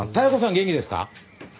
元気ですか？